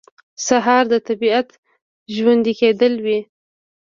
سهار د طبیعت ژوندي کېدل دي.